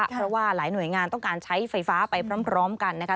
เพราะว่าหลายหน่วยงานต้องการใช้ไฟฟ้าไปพร้อมกันนะคะ